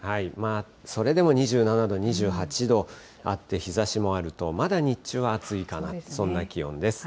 それでも２７度、２８度あって、日ざしもあると、まだ日中は暑いかな、そんな気温です。